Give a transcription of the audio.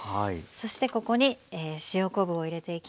そしてここに塩昆布を入れていきます。